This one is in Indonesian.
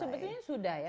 sepertinya sudah ya